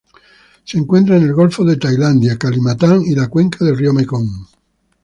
Es encuentra en el golfo de Tailandia, Kalimantan y la cuenca del río Mekong.